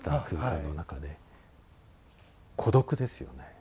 孤独ですよね。